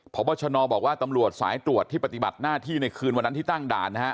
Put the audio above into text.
พบชนบอกว่าตำรวจสายตรวจที่ปฏิบัติหน้าที่ในคืนวันนั้นที่ตั้งด่านนะฮะ